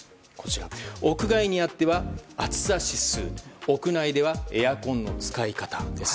屋外では暑さ指数屋内ではエアコンの使い方です。